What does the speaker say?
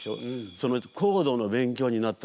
そのコードの勉強になった。